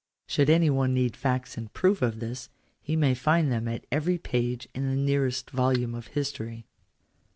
Should any one need facts in proof of this, be may find them at every page in the nearest volume of history.